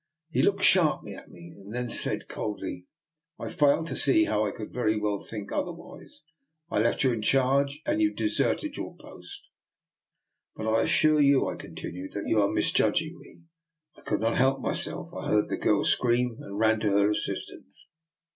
He looked sharply at me, and then said coldly: " I fail to see how I could very well think otherwise. I left you in charge and you de serted your post." *' But I assure you," I continued, " that you are misjudging me. I could not help myself. I heard the girl scream and ran to her assistance.